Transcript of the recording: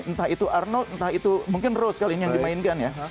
entah itu arnold entah itu mungkin rose kali ini yang dimainkan ya